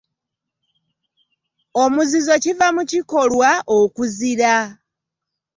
Omuzizo kiva mu kikolwa okuzira.